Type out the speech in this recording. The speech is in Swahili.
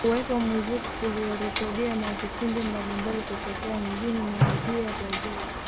Kukiwemo muziki uliorekodiwa na vipindi mbalimbali kutokea mjini Monrovia, Liberia